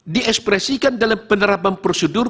diekspresikan dalam penerapan prosedur